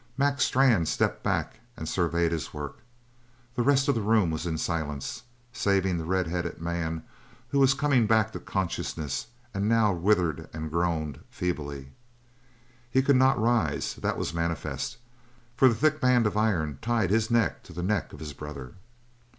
Mac Strann stepped back and surveyed his work; the rest of the room was in silence, saving that the red headed man was coming back to consciousness and now writhed and groaned feebly. He could not rise; that was manifest, for the thick band of iron tied his neck to the neck of his brother.